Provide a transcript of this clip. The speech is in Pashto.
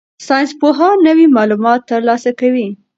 ساینسپوهان نوي معلومات ترلاسه کوي.